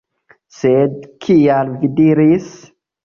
Sed kial vi diris?